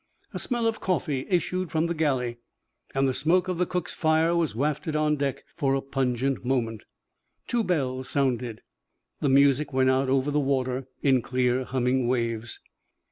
A smell of coffee issued from the galley, and the smoke of the cook's fire was wafted on deck for a pungent moment. Two bells sounded. The music went out over the water in clear, humming waves.